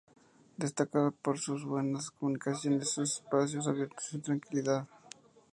Destaca por sus buenas comunicaciones, sus espacios abiertos y su tranquilidad".